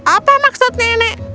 apa maksudnya nenek